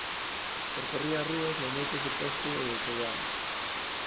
Percorría as rúas nas noites de peste e de treboada.